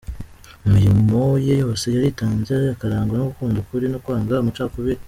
Mu mirimo ye yose yaritanze akarangwa no gukunda ukuri no kwanga amacakubiri.